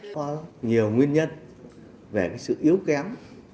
có nhiều nguyên nhân về sự yếu kém